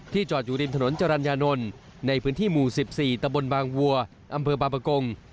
จอดอยู่ริมถนนจรรยานนท์ในพื้นที่หมู่๑๔ตะบนบางวัวอำเภอบางประกง